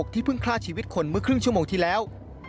ที่เพิ่งคลาดชีวิตคนเมื่อครึ่งชั่วโมงที่แล้ว